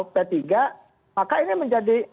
p tiga maka ini menjadi